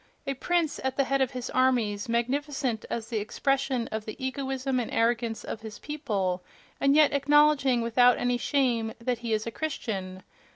A prince at the head of his armies, magnificent as the expression of the egoism and arrogance of his people—and yet acknowledging, without any shame, that he is a Christian!...